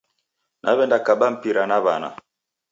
Naw'enda kaba mpira na w'ana.